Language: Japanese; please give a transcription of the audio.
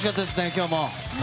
今日も！